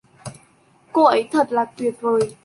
cô ấy thật là tuyệt vời